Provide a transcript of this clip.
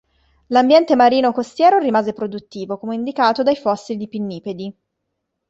L'ambiente marino costiero rimase produttivo, come indicato dai fossili di pinnipedi.